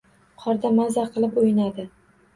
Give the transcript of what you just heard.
Qorda mazza qilib o'ynadi